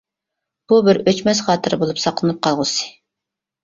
بۇ بىر ئۆچمەس خاتىرە بولۇپ ساقلىنىپ قالغۇسى.